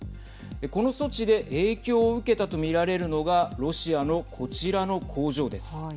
この措置で影響を受けたとみられるのがロシアのこちらの工場です。